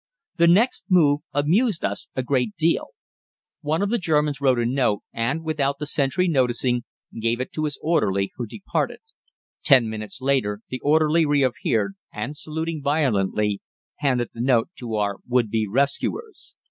The next move amused us a great deal. One of the Germans wrote a note and, without the sentry noticing, gave it to his orderly, who departed. Ten minutes later the orderly reappeared and, saluting violently, handed the note to our would be rescuers.